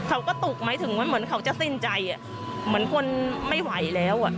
เขาก็ตุกหมายถึงว่าเหมือนเขาจะสิ้นใจเหมือนคนไม่ไหวแล้วอ่ะ